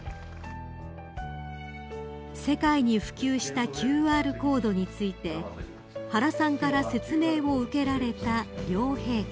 ［世界に普及したＱＲコードについて原さんから説明を受けられた両陛下］